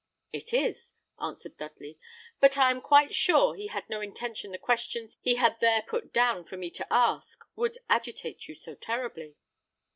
"It is," answered Dudley; "but I am quite sure he had no idea the questions he had there put down for me to ask would agitate you so terribly!"